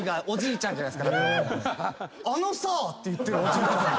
おじいちゃんが。